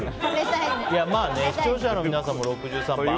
まあね視聴者の皆さんも６３％。